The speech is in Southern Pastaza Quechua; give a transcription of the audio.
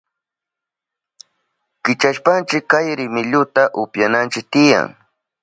Kichashpanchi kay rimilluta upyananchi tiyan.